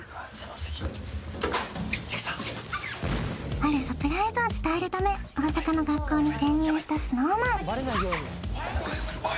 あるサプライズを伝えるため大阪の学校に潜入したＳｎｏｗＭａｎ